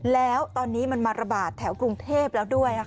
แล้วตอนนี้มันมาระบาดแถวกรุงเทพแล้วด้วย